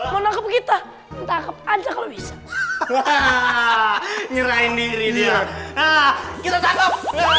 menangkap kita takut aja kalau bisa nyerahin diri dia kita tangkap